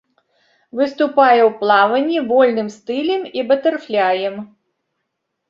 Выступае ў плаванні вольным стылем і батэрфляем.